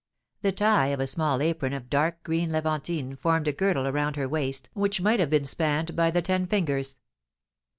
The tie of a small apron of dark green levantine formed a girdle around a waist which might have been spanned by the ten fingers.